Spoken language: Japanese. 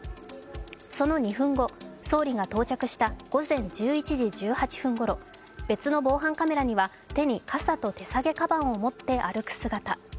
その２分後、総理が到着した午前１１時１８分ごろ、別の防犯カメラには手に傘と手提げかばんを持って歩く姿。